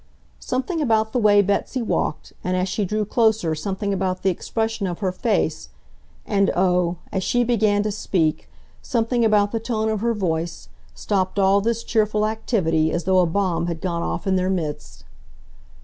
Something about the way Betsy walked, and as she drew closer something about the expression of her face, and oh! as she began to speak, something about the tone of her voice, stopped all this cheerful activity as though a bomb had gone off in their midst.